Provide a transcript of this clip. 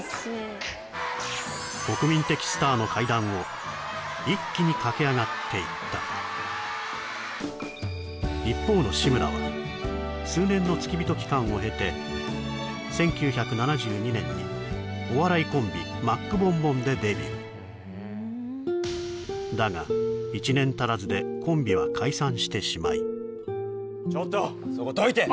もう！の階段を一気に駆け上がっていった一方の志村はを経て１９７２年にお笑いコンビマックボンボンでデビューだが１年足らずでコンビは解散してしまいちょっとそこどいて！